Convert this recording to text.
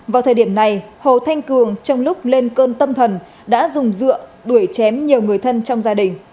vào thời điểm này hồ thanh cường trong lúc lên cơn tâm thần đã dùng dựa đuổi chém nhiều người thân trong gia đình